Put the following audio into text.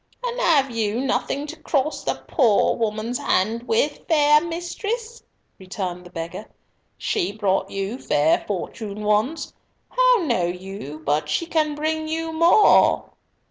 "And have you nothing to cross the poor woman's hand with, fair mistress?" returned the beggar. "She brought you fair fortune once; how know you but she can bring you more?"